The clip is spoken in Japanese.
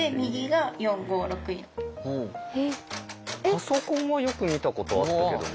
パソコンはよく見たことあったけどなあ。